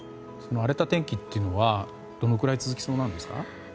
荒れた天気っていうのはどのくらい続きそうなんですか？